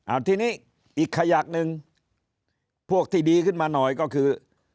เอาทีนี้อีกขยักหนึ่งพวกที่ดีขึ้นมาหน่อยก็คือ